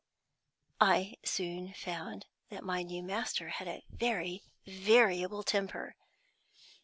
I soon found that my new master had a very variable temper.